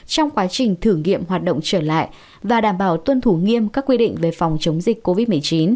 trong quá trình thử nghiệm hoạt động trở lại và đảm bảo tuân thủ nghiêm các quy định về phòng chống dịch covid một mươi chín